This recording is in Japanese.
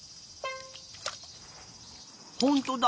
ほんとだ！